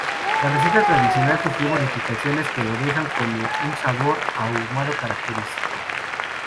La receta tradicional sufrió modificaciones que lo dejan con un sabor ahumado característico.